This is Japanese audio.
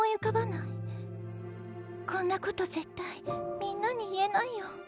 こんなこと絶対みんなに言えないよ。